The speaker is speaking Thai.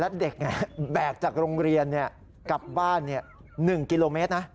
แล้วเด็กแบกจากโรงเรียนกลับบ้าน๑กิโลเมตรนะ